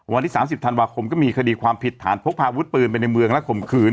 วันที่๓๐ธันวาคมก็มีคดีความผิดฐานพกพาวุฒิปืนไปในเมืองและข่มขืน